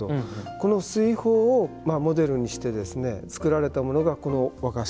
この水泡をモデルにして作られたものがこの和菓子。